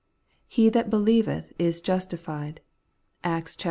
* He that believeth is justi fied' (Acts xiii.